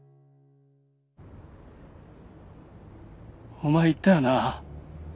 お前言ったよな？